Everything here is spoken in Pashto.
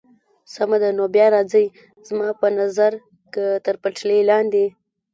سمه ده، نو بیا راځئ، زما په نظر که تر پټلۍ لاندې.